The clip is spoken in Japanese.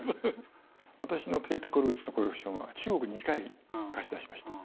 私のケーテ・コルヴィッツのコレクションは中国に２回貸し出しました。